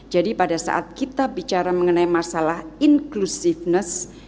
jadi pada saat kita bicara mengenai masalah inclusiveness